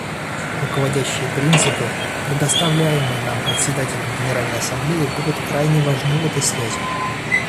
Руководящие принципы, предоставляемые нам Председателем Генеральной Ассамблеи, будут крайне важны в этой связи.